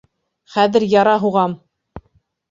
Хәҙер яра һуғам!